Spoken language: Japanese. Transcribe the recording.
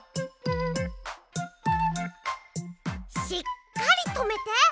しっかりとめて。